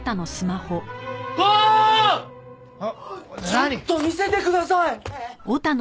ちょっと見せてください！